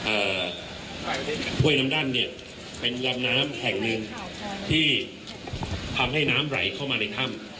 ห้วยน้ำดั้นเนี่ยเป็นลำน้ำแห่งหนึ่งที่ทำให้น้ำไหลเข้ามาในถ้ำ